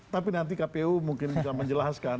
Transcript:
tapi nanti kpu mungkin bisa menjelaskan